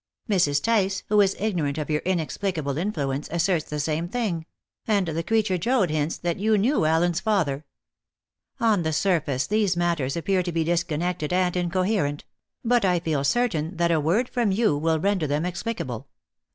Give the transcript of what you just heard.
Mrs. Tice, who is ignorant of your inexplicable influence, asserts the same thing; and the creature Joad hints that you knew Allen's father. On the surface these matters appear to be disconnected and incoherent; but I feel certain that a word from you will render them explicable.